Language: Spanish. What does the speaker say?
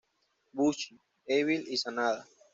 Bushi, Evil y Sanada.